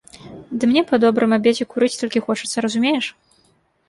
Ды мне па добрым абедзе курыць толькі хочацца, разумееш?